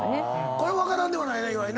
これは分からんではないな岩井。